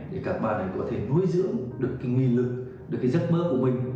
để các bạn có thể nuôi dưỡng được cái nguồn lực được cái giấc mơ của mình